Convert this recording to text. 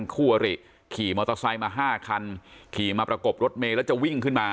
คู่อริขี่มอเตอร์ไซค์มา๕คันขี่มาประกบรถเมย์แล้วจะวิ่งขึ้นมา